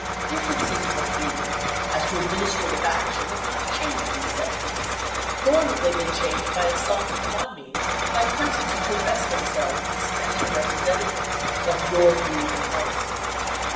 Differences of opinion as to administrative action have not changed these senti ments, nor have they been changed by assaults upon me by persons who profess themselves the special representa tives of your views and policy.